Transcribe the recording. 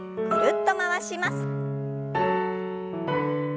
ぐるっと回します。